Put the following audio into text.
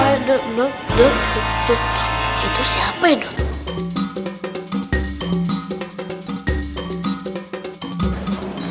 aduh duh duh duh duh tuh itu siapa ya dot